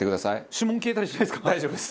指紋消えたりしないですか？